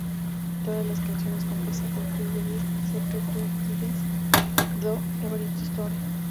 Todas las canciones compuestas por Chris de Burgh, excepto "Two Sides To Every Story".